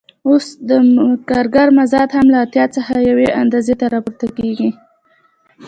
اوس د کارګر مزد هم له اتیا څخه یوې اندازې ته پورته کېږي